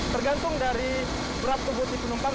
tergantung dari berat kubu di penumpang